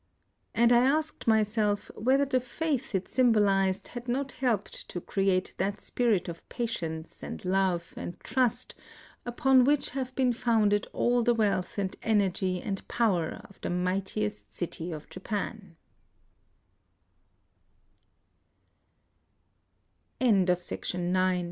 And I asked myself whether the faith it symbolized had not helped to create that spirit of patience and love and trust upon which have been founded all the wealth and energy and power of the